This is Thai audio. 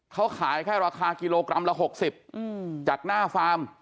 เขาขายแค่ราคากิโลกรัมละ๖๐จากหน้าฟาร์ม